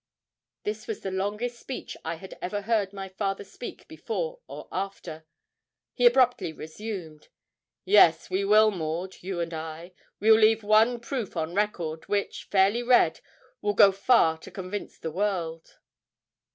This was the longest speech I ever heard my father speak before or after. He abruptly resumed 'Yes, we will, Maud you and I we'll leave one proof on record, which, fairly read, will go far to convince the world.'